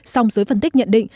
xong dưới phân tích nhận định